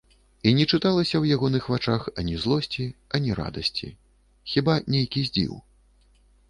І не чыталася ў ягоных вачах ані злосці, ані радасці, хіба нейкі здзіў.